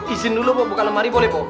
isin dulu pok buka lemari boleh pok